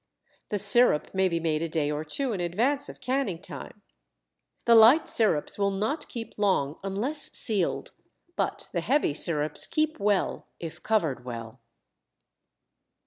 The sirup may be made a day or two in advance of canning time. The light sirups will not keep long unless sealed, but the heavy sirups keep well if covered well.